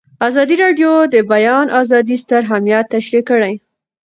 ازادي راډیو د د بیان آزادي ستر اهميت تشریح کړی.